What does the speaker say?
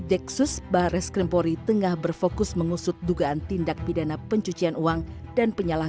deksus bares krimpori tengah berfokus mengusut dugaan tindak pidana pencucian uang dan penyalah